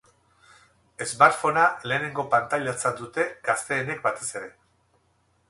Smartphonea lehenengo pantailatzat dute, gazteenek batez ere.